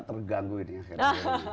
terganggu ini akhirnya